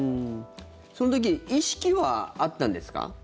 その時意識はあったんですか？